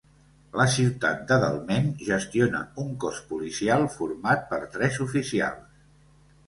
La ciutat de Dalmeny gestiona un cos policial format per tres oficials.